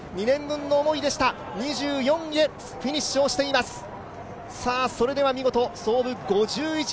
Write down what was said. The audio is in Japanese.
２年分の思いでした、２４位でフィニッシュをしています。